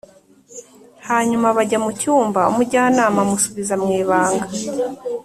hanyuma bajya mu cyumba umujyanama amusubiza mw’ibanga.